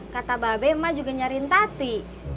kata mbak bema juga nyarin tati